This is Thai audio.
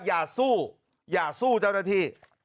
อย่าสู้อย่าสู้เจ้าหน้าที่